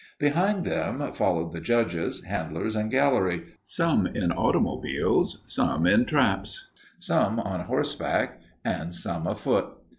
Behind them followed the judges, handlers, and gallery, some in automobiles, some in traps, some on horseback, and some afoot.